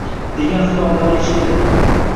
degan xitoblari eshitildi